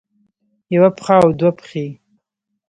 يوه پښه او دوه پښې